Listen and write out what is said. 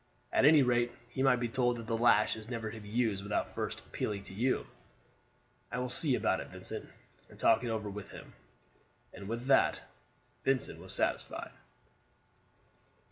At any rate, he might be told that the lash is never to be used without first appealing to you." "I will see about it, Vincent, and talk it over with him." And with that Vincent was satisfied.